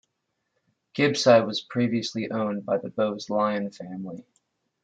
Gibside was previously owned by the Bowes-Lyon family.